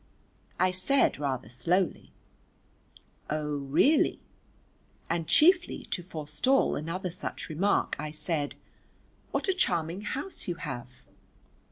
I said rather slowly, "O, really," and chiefly to forestall another such remark I said "What a charming house you have."